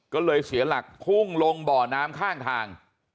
ก็เลยเสียหลักพุ่งลงบ่อน้ำข้างทาง